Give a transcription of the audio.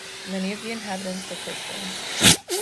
Many of the inhabitants were Christians.